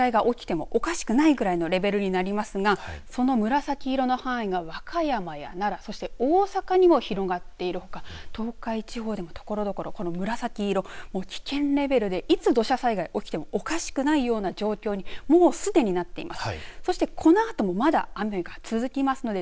この紫色、危険レベルという所はもういつ災害が起きてもおかしくないくらいのレベルになりますがその紫色の範囲が和歌山や奈良そして大阪にも広がっているほか東海地方でもところどころこの紫色危険レベルでいつ土砂災害が起きてもおかしくないような状況にもうすでになっています。